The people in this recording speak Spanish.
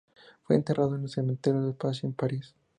Fue enterrado en el cementerio de Passy en París.